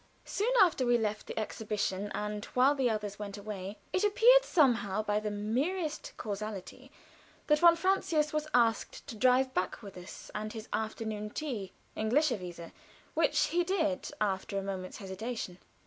Soon afterward we left the exhibition, and while the others went away it appeared somehow by the merest casualty that von Francius was asked to drive back with us and have afternoon tea, englischerweise which he did, after a moment's hesitation.